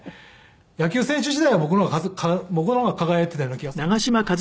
野球選手時代は僕の方が輝いていたような気がするんですけど。